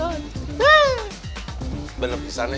eh bener pisah nih